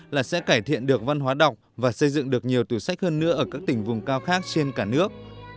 là sẽ cải thiện được văn hóa đọc và xây dựng được nhiều tủ sách hơn nữa ở các tỉnh vùng cao khác trên cả nước